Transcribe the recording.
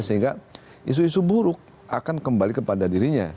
sehingga isu isu buruk akan kembali kepada dirinya